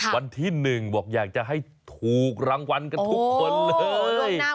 วันที่๑บอกอยากจะให้ถูกรางวัลกันทุกคนเลย